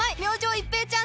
一平ちゃーん！